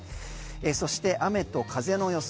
そして雨と風の予想